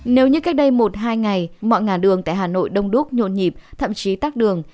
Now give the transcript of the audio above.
nếu như cách đây một hai ngày mọi ngả đường tại hà nội đông đúc nhộn nhịp thậm chí tắt đường